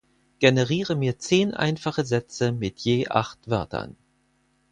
Generiere mir zehn einfache Sätze mit je acht Wörtern!